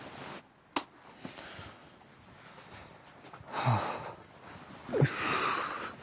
はあ。